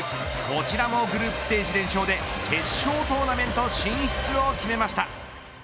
こちらもグループステージ連勝で決勝トーナメント進出を決めました。